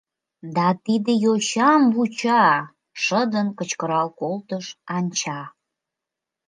Да тиде йочам вуча! — шыдын кычкырал колтыш Анча.